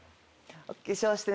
お化粧して。